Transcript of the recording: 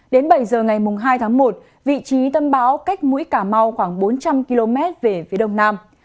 đến bảy giờ ngày hai tháng một vị trí tâm bão cách mũi cà mau khoảng bốn trăm linh km về phía đông nam